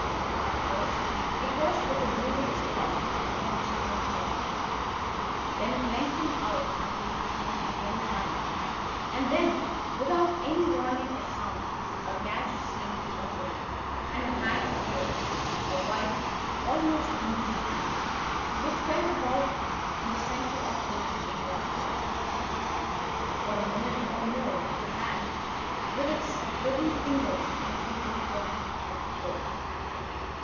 At first it was but a lurid spark upon the stone pavement. Then it lengthened out until it became a yellow line, and then, without any warning or sound, a gash seemed to open and a hand appeared, a white, almost womanly hand, which felt about in the centre of the little area of light. For a minute or more the hand, with its writhing fingers, protruded out of the floor.